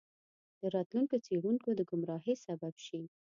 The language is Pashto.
د راتلونکو څیړونکو د ګمراهۍ سبب شي.